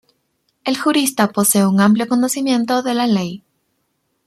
El jurista posee un amplio conocimiento de la "ley".